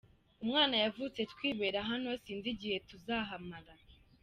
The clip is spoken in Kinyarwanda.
Umwana yavutse twibera hano, sinzi igihe tuzahamara.